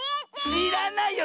しらないよ